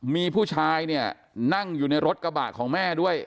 มีผู้ชายเนี่ยนั่งอยู่ในรถกระบะของแม่ด้วย